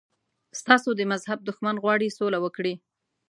ستاسو د مذهب دښمن غواړي سوله وکړي.